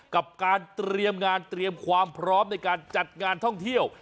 กับการเตรียมงานเตรียมความพร้อมในการจัดงานท่องเที่ยว